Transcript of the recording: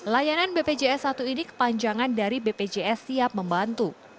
layanan bpjs satu ini kepanjangan dari bpjs siap membantu